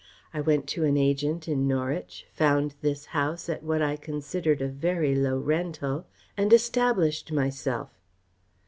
I went to an agent in Norwich, found this house at what I considered a very low rental and established myself."